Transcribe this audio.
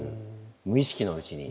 無意識のうちに。